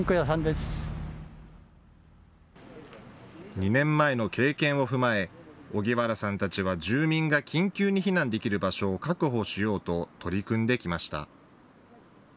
２年前の経験を踏まえ荻原さんたちは住民が緊急に避難できる場所を確保しようと取り組んできました。